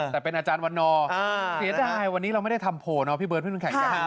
แต่เป็นอาจารย์วันนอร์เสียดายวันนี้เราไม่ได้ทำโผล่เนาะพี่เบิร์ดพี่น้ำแข็ง